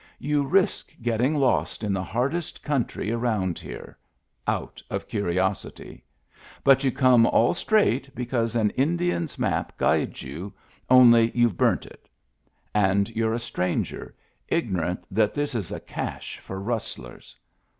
You risk getting lost in the hardest country around here — out of curiosity. But you come all straight because an Indian's map guides you, only you've burnt it. And you're a stranger, ignorant that this is a cache for rustlers.